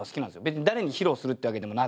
別に誰に披露するってわけでもなく。